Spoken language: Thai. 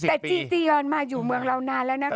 แต่จีจียอนมาอยู่เมืองเรานานแล้วนะคะ